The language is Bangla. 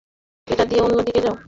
ওটা দিয়ে অন্য দিকে যায়।